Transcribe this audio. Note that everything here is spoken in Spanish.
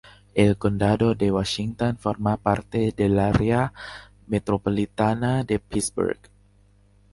El condado de Washington forma parte del área metropolitana de Pittsburgh.